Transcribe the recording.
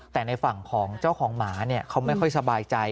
แต่ในฝั่งของเจ้าของหมาเขาไม่ค่อยสบายใจ